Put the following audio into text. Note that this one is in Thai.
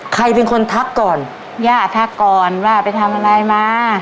ใครเป็นคนทักก่อนย่าทักก่อนว่าไปทำอะไรมา